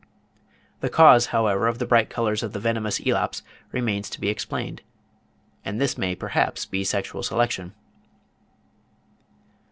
The cause, however, of the bright colours of the venomous Elaps remains to be explained, and this may perhaps be sexual selection.